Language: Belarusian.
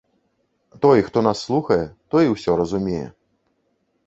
Той, хто нас слухае, той усё разумее.